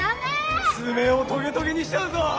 つめをトゲトゲにしちゃうぞ。